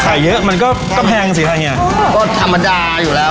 เยอะมันก็ก็แพงสิค่ะเฮียก็ธรรมดาอยู่แล้ว